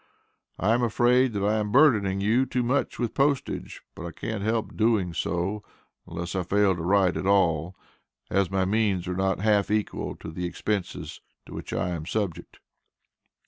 I am afraid that I am burdening you too much with postage, but can't help doing so unless I fail to write at all, as my means are not half equal to the expenses to which I am subject.